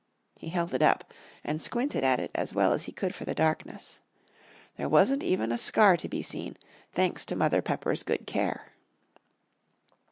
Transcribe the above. He held it up and squinted at it as well as he could for the darkness. There wasn't even a scar to be seen, thanks to Mother Pepper's good care.